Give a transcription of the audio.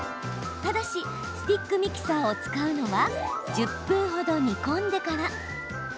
ただし、スティックミキサーを使うのは１０分ほど煮込んでから。